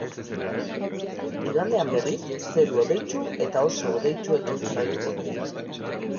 Igandean, berriz, zeru hodeitsu eta oso hodeitsuekin jarraituko dugu.